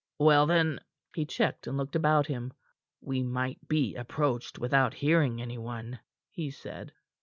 "Well, then " He checked, and looked about him. "We might be approached without hearing any one," he said.